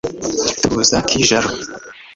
Tuza nkijoro